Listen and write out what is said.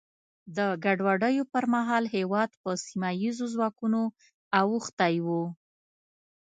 د ګډوډیو پر مهال هېواد په سیمه ییزو ځواکونو اوښتی و.